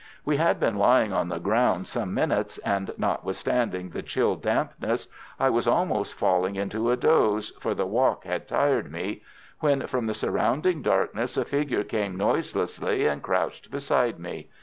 We had been lying on the ground some minutes, and, notwithstanding the chill dampness, I was almost falling into a doze, for the walk had tired me, when from the surrounding darkness a figure came noiselessly and crouched beside me.